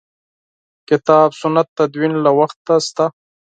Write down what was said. کتاب سنت تدوین له وخته شته.